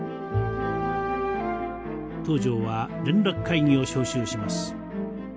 東条は連絡会議を召集します。